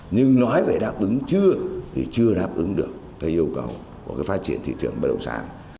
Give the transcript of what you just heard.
nhưng nói về đáp ứng chưa thì chưa đáp ứng được yêu cầu của cái phát triển thị trường bất động sản